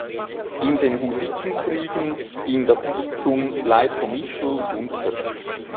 In den Hussitenkriegen ging das Bistum Leitomischl unter.